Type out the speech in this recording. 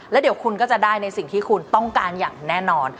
แล้วเดี๋ยวคุณก็จะได้ในสิ่งที่คุณต้องการอย่างแน่นอน